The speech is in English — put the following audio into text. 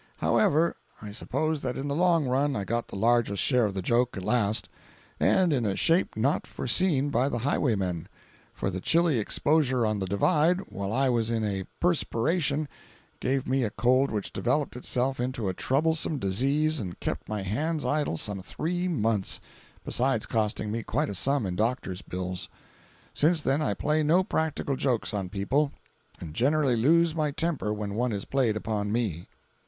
However, I suppose that in the long run I got the largest share of the joke at last; and in a shape not foreseen by the highwaymen; for the chilly exposure on the "divide" while I was in a perspiration gave me a cold which developed itself into a troublesome disease and kept my hands idle some three months, besides costing me quite a sum in doctor's bills. Since then I play no practical jokes on people and generally lose my temper when one is played upon me.